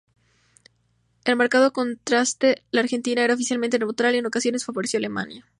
En marcado contraste, la Argentina era oficialmente neutral y en ocasiones favoreció a Alemania.